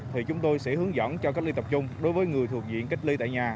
thì chúng tôi sẽ hướng dẫn cho cách ly tập trung đối với người thuộc diện cách ly tại nhà